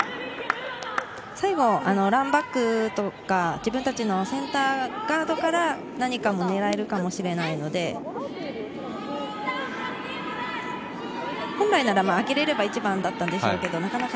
最後、ランバックとか自分たちのセンターガードから何か狙えるかもしれないので、本来なら開けられれば一番だったのでしょうけれど。